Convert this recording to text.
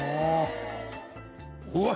うわっ！